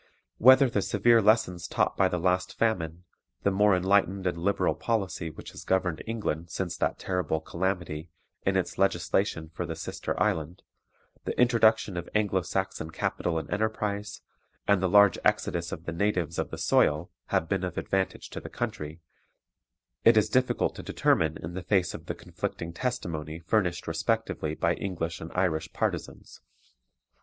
Whether the severe lessons taught by the last famine, the more enlightened and liberal policy which has governed England, since that terrible calamity, in its legislation for the sister island, the introduction of Anglo Saxon capital and enterprise, and the large exodus of the natives of the soil, have been of advantage to the country, it is difficult to determine in the face of the conflicting testimony furnished respectively by English and Irish partisans.